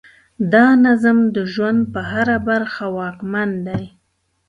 دا نظم د ژوند په هره برخه واکمن دی.